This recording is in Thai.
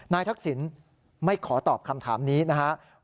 นายทักศิลป์ไม่ขอตอบคำถามนี้นะครับ